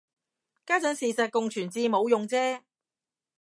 家陣事實共存至冇用啫